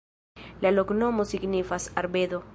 La loknomo signifas: arbedo.